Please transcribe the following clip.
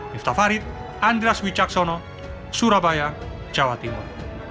miftah farid andras wicaksono surabaya jawa timur